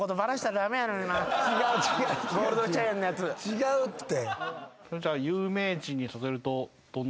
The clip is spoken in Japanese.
違うって。